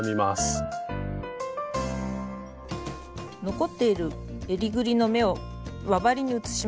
残っているえりぐりの目を輪針に移します。